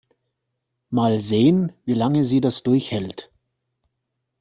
Mal sehen, wie lange sie das durchhält.